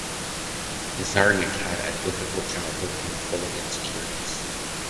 Pizarnik had a difficult childhood and full of insecurities.